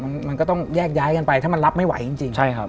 มันมันก็ต้องแยกย้ายกันไปถ้ามันรับไม่ไหวจริงจริงใช่ครับ